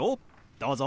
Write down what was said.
どうぞ。